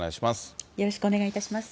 よろしくお願いします。